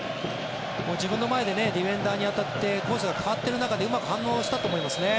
自分の前でディフェンダーに当たってコースが変わっている中でうまく反応したと思いますね。